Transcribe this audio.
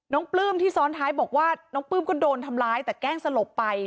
ปลื้มที่ซ้อนท้ายบอกว่าน้องปลื้มก็โดนทำร้ายแต่แกล้งสลบไป